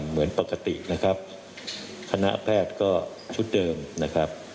เหมือนปกตินะครับคณะแพทย์ก็ชุดเดิมนะครับ